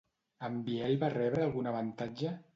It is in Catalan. En Biel va rebre algun avantatge?